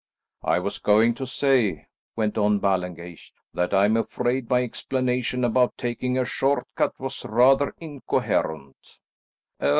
"I was going to say," went on Ballengeich, "that I'm afraid my explanation about taking a short cut was rather incoherent."